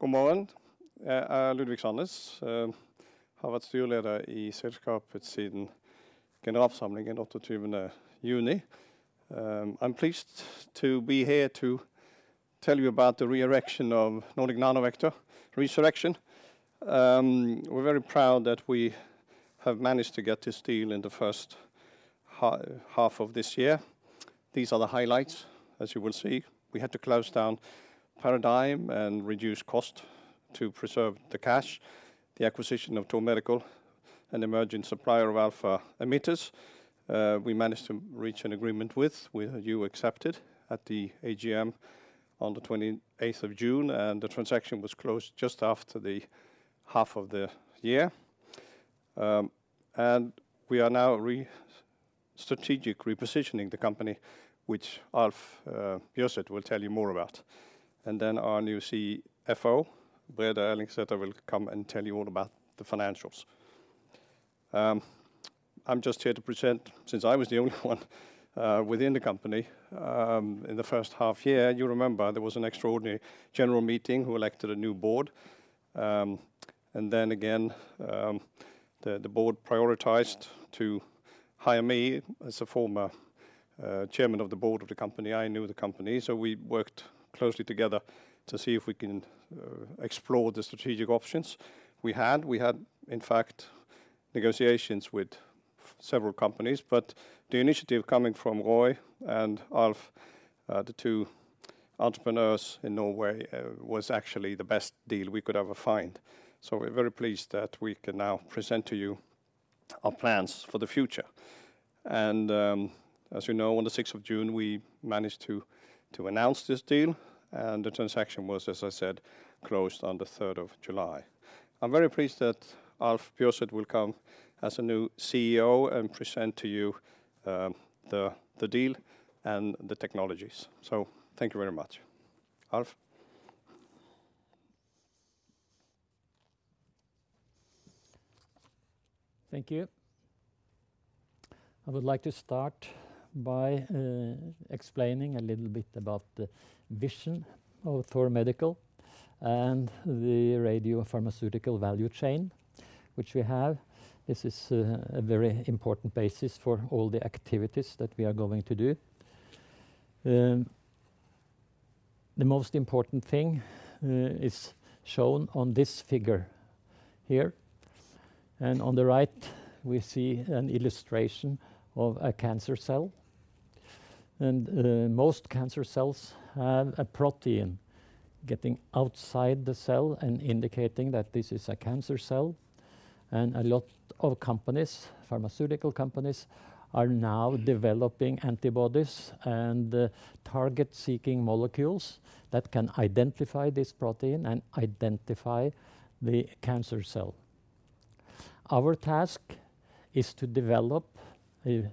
Good morning. Ludvik Sandnes have been CEO leader in this company since General Assembly on the 28th of June. I'm pleased to be here to tell you about the resurrection of Nordic Nanovector. We're very proud that we have managed to get this deal in the first half of this year. These are the highlights. As you will see, we had to close down PARADIGME and reduce cost to preserve the cash, the acquisition of Thor Medical, an emerging supplier of alpha emitters. We managed to reach an agreement which you accepted at the AGM on the 28th of June, and the transaction was closed just after the half of the year. And we are now strategically repositioning the company, which Alf Bjørseth will tell you more about. Our new CFO, Brede Ellingsæter, will come and tell you all about the financials. I'm just here to present, since I was the only one within the company in the first half year. You remember, there was an extraordinary general meeting who elected a new board. The board prioritized to hire me as a former chairman of the board of the company. I knew the company, so we worked closely together to see if we can explore the strategic options we had. We had, in fact, negotiations with several companies, but the initiative coming from Roy and Alf, the two entrepreneurs in Norway, was actually the best deal we could ever find. We're very pleased that we can now present to you our plans for the future. As you know, on the sixth of June, we managed to announce this deal, and the transaction was, as I said, closed on the third of July. I'm very pleased that Alf Bjørseth will come as a new CEO and present to you the deal and the technologies. So thank you very much. Alf? Thank you. I would like to start by explaining a little bit about the vision of Thor Medical and the radiopharmaceutical value chain which we have. This is a very important basis for all the activities that we are going to do. The most important thing is shown on this figure here, and on the right, we see an illustration of a cancer cell. Most cancer cells have a protein getting outside the cell and indicating that this is a cancer cell, and a lot of companies, pharmaceutical companies, are now developing antibodies and target-seeking molecules that can identify this protein and identify the cancer cell. Our task is to develop a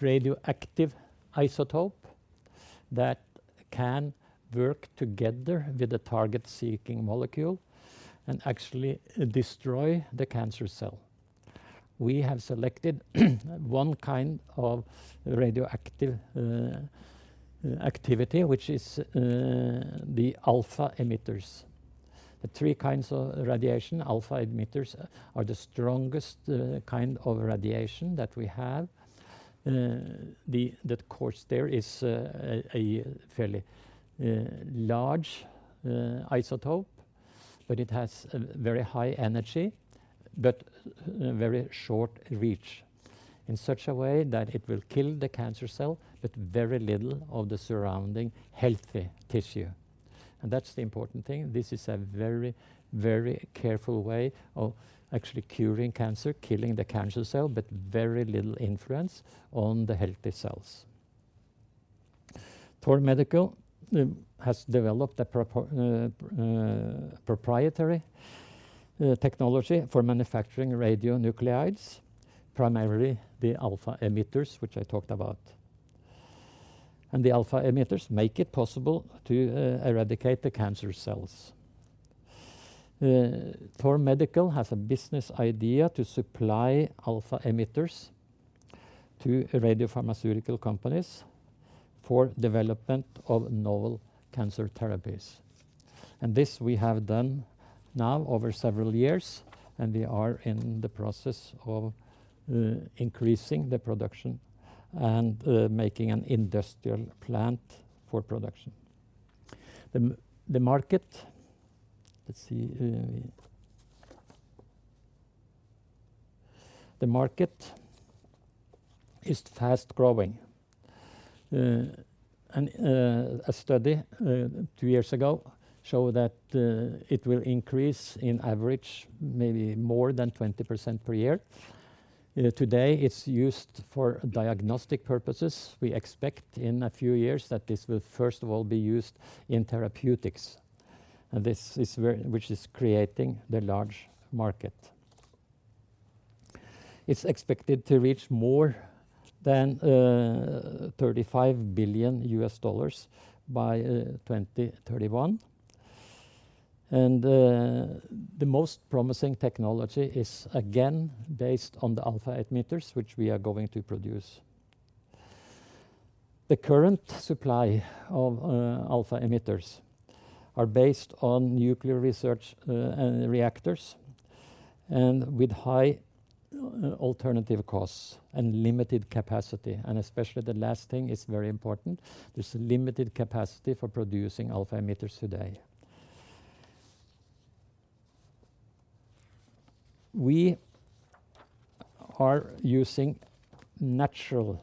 radioactive isotope that can work together with a target-seeking molecule and actually destroy the cancer cell. We have selected one kind of radioactive activity, which is the alpha emitters. The three kinds of radiation, alpha emitters, are the strongest kind of radiation that we have. Of course there is a fairly large isotope, but it has a very high energy, but very short reach, in such a way that it will kill the cancer cell, but very little of the surrounding healthy tissue. That's the important thing. This is a very, very careful way of actually curing cancer, killing the cancer cell, but very little influence on the healthy cells. Thor Medical has developed a proprietary technology for manufacturing radionuclides, primarily the alpha emitters, which I talked about. The alpha emitters make it possible to eradicate the cancer cells. Thor Medical has a business idea to supply alpha emitters to radiopharmaceutical companies for development of novel cancer therapies. This we have done now over several years, and we are in the process of increasing the production and making an industrial plant for production. The market is fast growing. A study two years ago show that it will increase in average, maybe more than 20% per year. Today, it's used for diagnostic purposes. We expect in a few years that this will first of all be used in therapeutics, and this is where which is creating the large market. It's expected to reach more than $35 billion by 2031. The most promising technology is, again, based on the alpha emitters, which we are going to produce. The current supply of alpha emitters are based on nuclear research and reactors, and with high alternative costs and limited capacity. Especially the last thing is very important. There's a limited capacity for producing alpha emitters today. We are using natural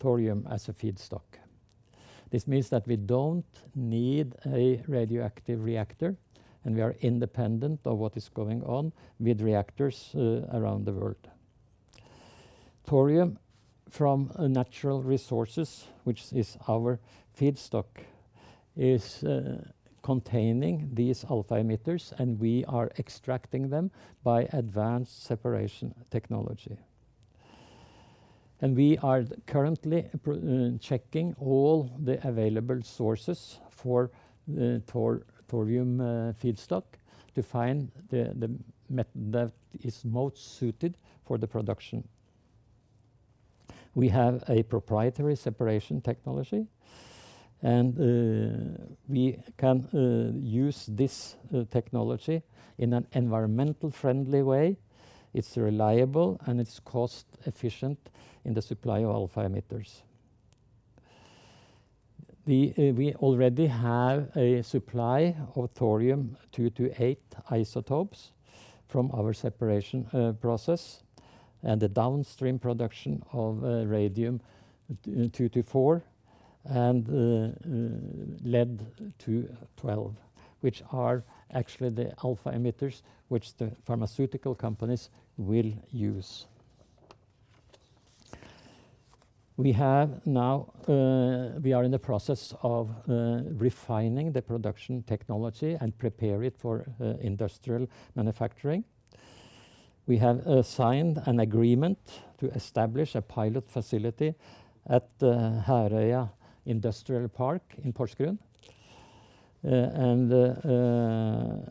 thorium as a feedstock. This means that we don't need a radioactive reactor, and we are independent of what is going on with reactors around the world. Thorium from natural resources, which is our feedstock, is containing these alpha emitters, and we are extracting them by advanced separation technology. We are currently checking all the available sources for the thorium feedstock to find the method that is most suited for the production. We have a proprietary separation technology, and we can use this technology in an environmentally friendly way. It's reliable, and it's cost efficient in the supply of alpha emitters. We already have a supply of thorium-228 isotopes from our separation process, and the downstream production of radium-224 and lead-212, which are actually the alpha emitters which the pharmaceutical companies will use. We have now, we are in the process of refining the production technology and prepare it for industrial manufacturing. We have signed an agreement to establish a pilot facility at the Herøya Industrial Park in Porsgrunn. And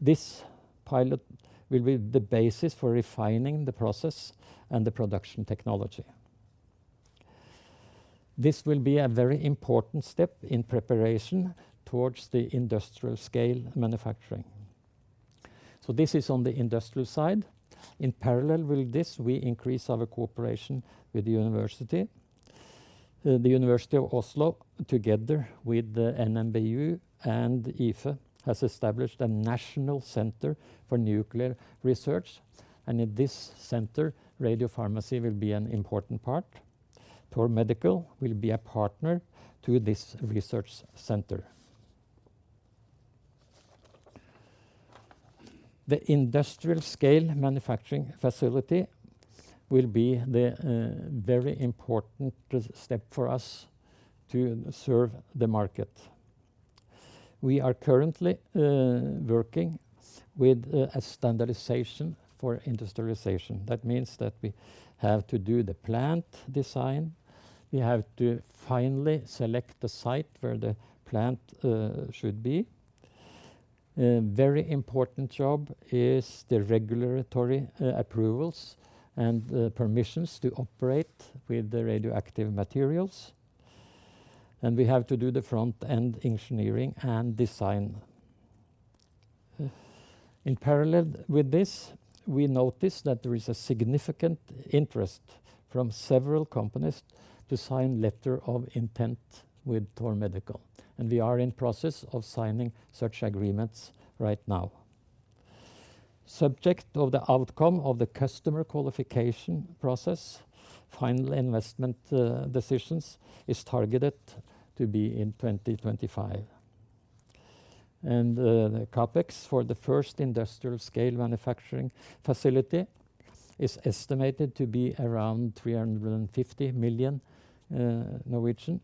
this pilot will be the basis for refining the process and the production technology. This will be a very important step in preparation towards the industrial scale manufacturing. So this is on the industrial side. In parallel with this, we increase our cooperation with the university. The University of Oslo, together with the NMBU and IFE, has established a national center for nuclear research, and in this center, radiopharmacy will be an important part. Thor Medical will be a partner to this research center. The industrial scale manufacturing facility will be the very important step for us to serve the market. We are currently working with a standardization for industrialization. That means that we have to do the plant design, we have to finally select the site where the plant should be. A very important job is the regulatory approvals and permissions to operate with the radioactive materials, and we have to do the front-end engineering and design. In parallel with this, we noticed that there is a significant interest from several companies to sign Letter of Intent with Thor Medical, and we are in process of signing such agreements right now. Subject of the outcome of the customer qualification process, final investment decisions, is targeted to be in 2025. And the CapEx for the first industrial scale manufacturing facility is estimated to be around 350 million Norwegian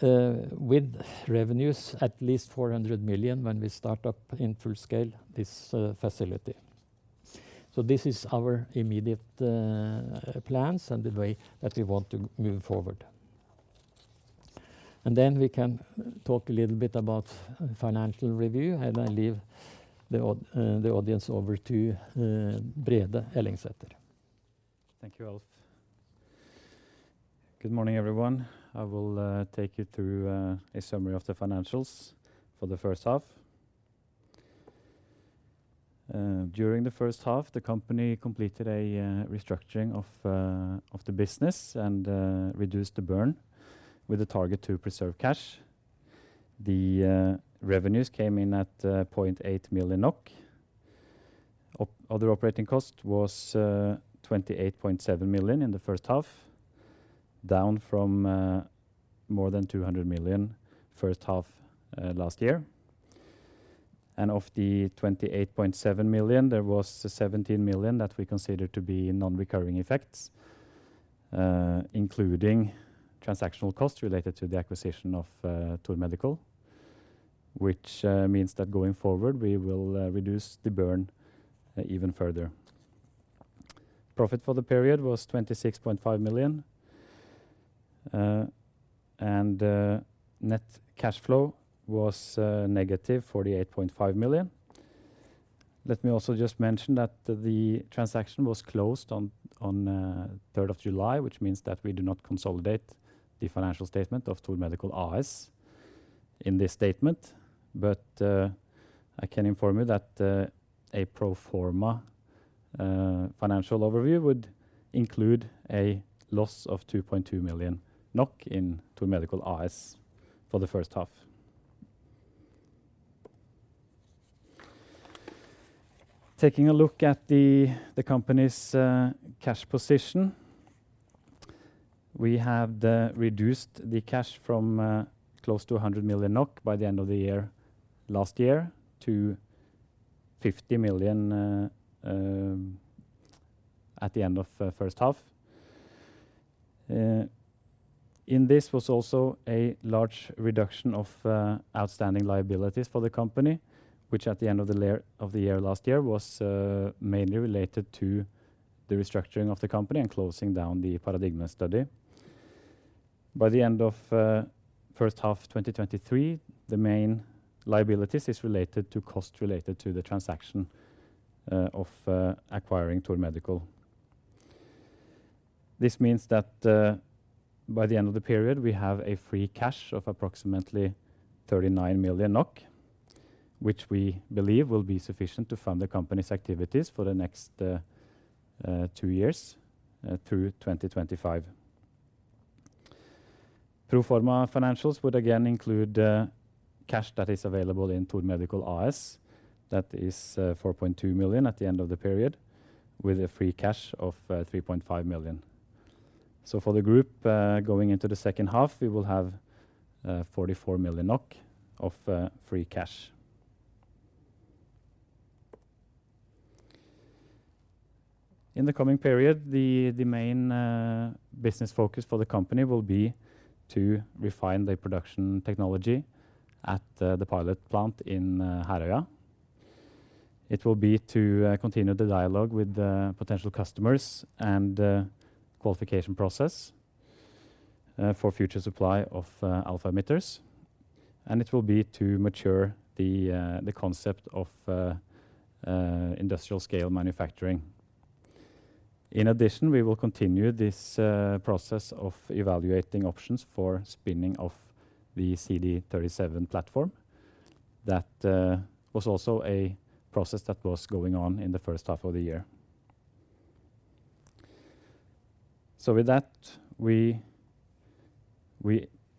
with revenues at least 400 million when we start up in full scale this facility. So this is our immediate plans and the way that we want to move forward. And then we can talk a little bit about financial review, and I leave the audience over to Brede Ellingsæter. Thank you, Alf. Good morning, everyone. I will take you through a summary of the financials for the first half. During the first half, the company completed a restructuring of the business and reduced the burn with a target to preserve cash. The revenues came in at 0.8 million NOK. Other operating cost was 28.7 million in the first half, down from more than 200 million first half last year. And of the 28.7 million, there was 17 million that we consider to be non-recurring effects, including transactional costs related to the acquisition of Thor Medical, which means that going forward, we will reduce the burn even further. Profit for the period was 26.5 million. And net cash flow was -48.5 million. Let me also just mention that the transaction was closed on the third of July, which means that we do not consolidate the financial statement of Thor Medical AS in this statement. But I can inform you that a pro forma financial overview would include a loss of 2.2 million NOK in Thor Medical AS for the first half. Taking a look at the company's cash position, we have reduced the cash from close to 100 million NOK by the end of the year, last year, to 50 million at the end of first half. In this was also a large reduction of outstanding liabilities for the company, which at the end of the year last year was mainly related to the restructuring of the company and closing down the PARADIGME study. By the end of first half 2023, the main liabilities is related to cost related to the transaction of acquiring Thor Medical. This means that by the end of the period, we have a free cash of approximately 39 million NOK, which we believe will be sufficient to fund the company's activities for the next two years through 2025. Pro forma financials would again include cash that is available in Thor Medical AS. That is 4.2 million at the end of the period, with a free cash of 3.5 million. So for the group, going into the second half, we will have 44 million NOK of free cash. In the coming period, the main business focus for the company will be to refine the production technology at the pilot plant in Herøya. It will be to continue the dialogue with the potential customers and qualification process for future supply of alpha emitters. And it will be to mature the concept of industrial scale manufacturing. In addition, we will continue this process of evaluating options for spinning off the CD37 platform. That was also a process that was going on in the first half of the year. So with that, we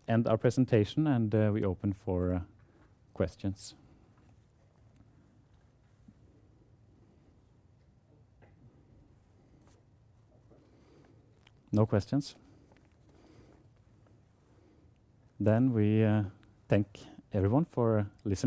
end our presentation, and we open for questions. No questions? Then we thank everyone for listening.